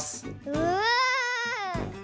うわ。